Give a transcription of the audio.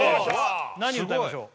何歌いましょう？